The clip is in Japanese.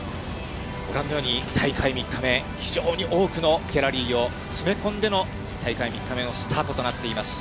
ご覧のように、大会３日目、非常に多くのギャラリーを詰め込んでの大会３日目のスタートとなっています。